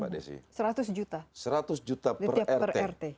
di setiap rt